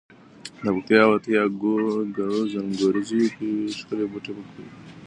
د پکتیا ورېته کړو زڼغوزیو ښکلی بوی به په ټول کور کې خپور وو.